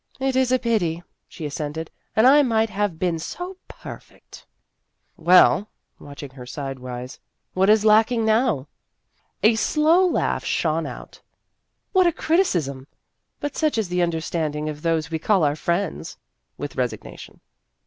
" It is a pity," she assented ;" and I might have been so perfect !" "Well," watching her sidewise, "what is lacking now ?" A slow laugh shone out :" What a criti cism ! But such is the understanding of those we call our friends," with resignation.